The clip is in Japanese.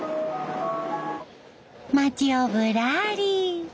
街をぶらり。